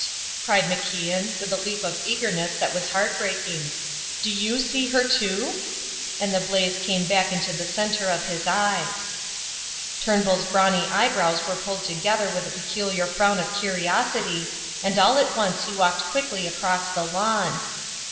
cried MacIan, with a leap of eagerness that was heart breaking, "do you see her, too?" And the blaze came back into the centre of his eyes. Turnbull's tawny eyebrows were pulled together with a peculiar frown of curiosity, and all at once he walked quickly across the lawn.